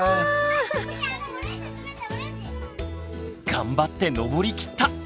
頑張って上りきった！